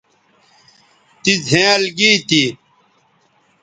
تی زھینئل گی تھی